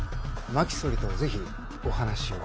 真木総理と是非お話を。